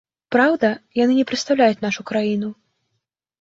Праўда, яны не прадстаўляюць нашу краіну.